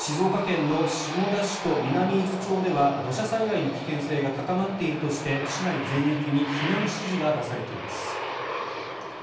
静岡県の下田市と南伊豆町では土砂災害の危険性が高まっているとして市内全域に避難指示が出されています。